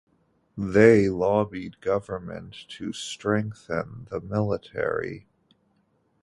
They lobbied government to strengthen the military.